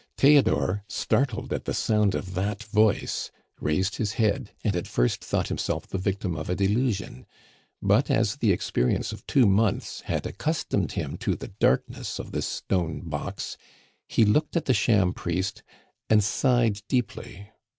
Theodore, startled at the sound of that voice, raised his head, and at first thought himself the victim of a delusion; but as the experience of two months had accustomed him to the darkness of this stone box, he looked at the sham priest, and sighed deeply.